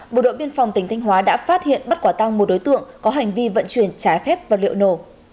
bộ đội biên phòng tỉnh thanh hóa đã phát hiện bắt quả tăng một đối tượng có hành vi vận chuyển trái phép vật liệu nổ